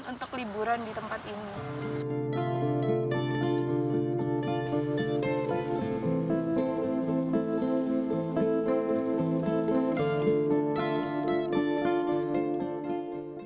untuk liburan di tempat ini